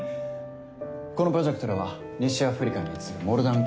このプロジェクトでは西アフリカに位置するモルダン